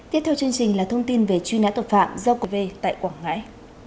tiếp theo là thông tin về truy nã tội phạm docv tại quảng ngãi